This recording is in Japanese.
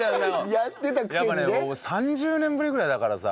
やっぱね３０年ぶりぐらいだからさ。